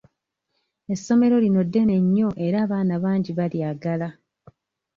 Essomero lino ddene nnyo era abaana bangi balyagala.